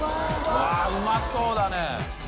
わぁうまそうだね。